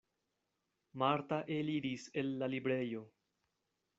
Marta eliris el la librejo.